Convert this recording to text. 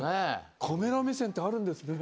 カメラ目線ってあるんですね。